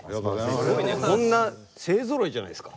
すごいねこんな勢ぞろいじゃないですか。